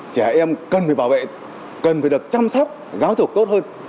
trẻ em cần phải bảo vệ cần phải được chăm sóc giáo dục tốt hơn